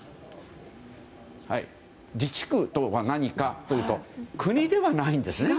自治区とは何かというと国ではないんですね。